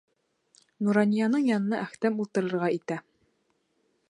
Нуранияның янына Әхтәм ултырырға итә.